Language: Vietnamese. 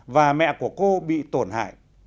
và mẹ của cô bị tổn hại